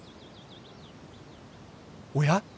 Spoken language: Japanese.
おや！